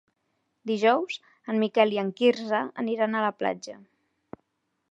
Dijous en Miquel i en Quirze aniran a la platja.